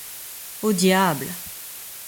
Au diable!